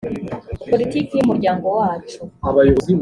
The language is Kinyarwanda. politike y umuryango wacu